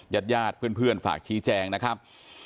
ญาติญาติเพื่อนฝากชี้แจงนะครับ